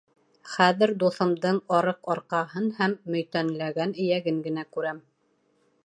Хәҙер дуҫымдың арыҡ арҡаһын һәм мөйтәнләгән эйәген генә күрәм.